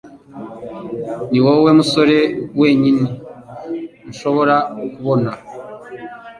Niwowe musore wenyine nshobora kubona.